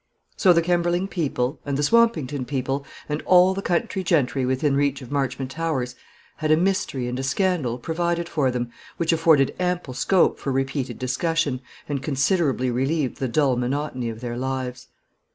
So the Kemberling people, and the Swampington people, and all the country gentry within reach of Marchmont Towers, had a mystery and a scandal provided for them, which afforded ample scope for repeated discussion, and considerably relieved the dull monotony of their lives.